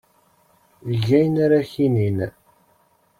Eg ayen ara ak-inin.